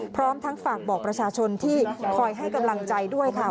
พร้อมทั้งฝากบอกประชาชนที่คอยให้กำลังใจด้วยค่ะ